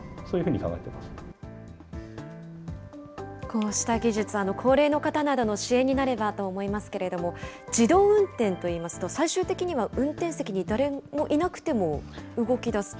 こうした技術、高齢の方などの支援になればと思いますけれども、自動運転といいますと、最終的には運転席に誰もいなくても、動きだす？